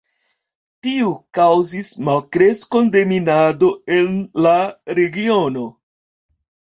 Tio kaŭzis malkreskon de minado en la regiono.